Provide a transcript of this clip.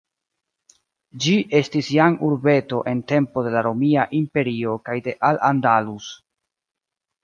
Ĝi estis jam urbeto en tempo de la Romia Imperio kaj de Al-Andalus.